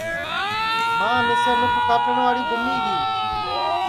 ماں مِسیں نُکھ کاٹٹؔواڑی گُمی گی